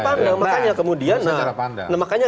pandang makanya kemudian nah makanya